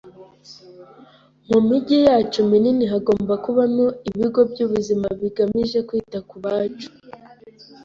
Mu migi yacu minini, hagomba kubamo ibigo by’ubuzima bigamije kwita ku bacu